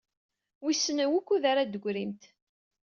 Wissen wukud ara d-teggrimt?